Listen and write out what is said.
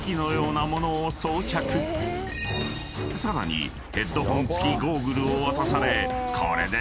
［さらにヘッドホン付きゴーグルを渡されこれで］